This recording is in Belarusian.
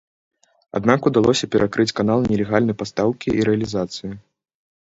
Аднак удалося перакрыць канал нелегальнай пастаўкі і рэалізацыі.